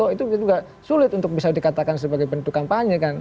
itu juga sulit untuk bisa dikatakan sebagai bentuk kampanye kan